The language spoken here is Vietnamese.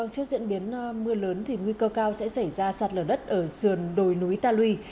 trước diễn biến mưa lớn nguy cơ cao sẽ xảy ra sạt lở đất ở sườn đồi núi ta lui